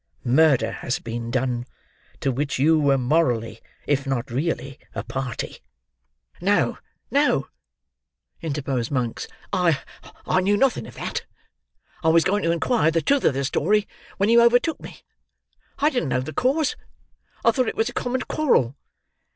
Murder has been done, to which you were morally if not really a party." "No, no," interposed Monks. "I—I knew nothing of that; I was going to inquire the truth of the story when you overtook me. I didn't know the cause. I thought it was a common quarrel."